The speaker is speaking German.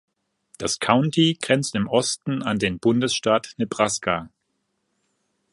Das County grenzt im Osten an den Bundesstaat Nebraska.